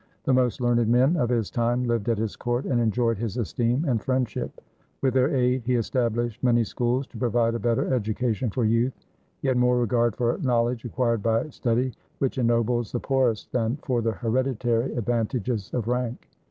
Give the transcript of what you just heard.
The most learned men of his time lived at his court, and enjoyed his esteem and friendship. With their aid he established many schools to provide a better education for youth. He had more regard for knowledge acquired by study, which ennobles the poorest, than for the hereditary ad vantages of rank.